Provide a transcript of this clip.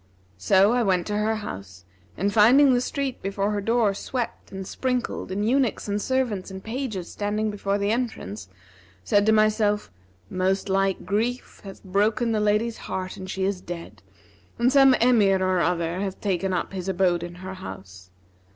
So I went to her house and finding the street before her door swept and sprinkled and eunuchs and servants and pages standing before the entrance, said to myself, 'Most like grief hath broken the lady's heart and she is dead, and some Emir or other hath taken up his abode in her house.'